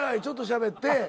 ちょっとしゃべって。